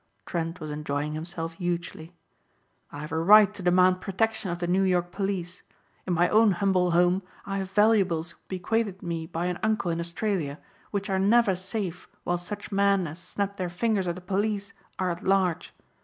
Trent was enjoying himself hugely. "I have a right to demand protection of the New York police. In my own humble home I have valuables bequeathed me by an uncle in Australia which are never safe while such men as snap their fingers at the police are at large.